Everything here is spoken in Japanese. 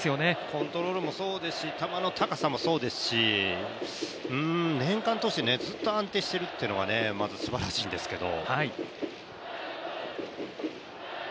コントロールもそうですし、球の高さもそうですし年間通してずっと安定しているというのはまずすばらしいんですけど。